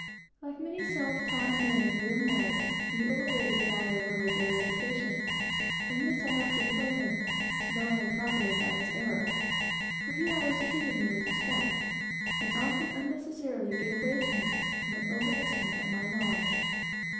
Like most self taught men, he over estimated the value of an education; and this, I often told him, though I profited by it myself; for he always treated me with respect, and often unnecessarily gave way to me, from an over estimate of my knowledge.